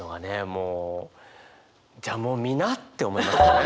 もうじゃあもう見なって思いますよね。